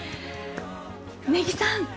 根木さん